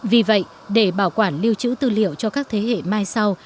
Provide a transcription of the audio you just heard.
vì vậy để bảo quản lưu trữ tư liệu cho các thế hệ mai sau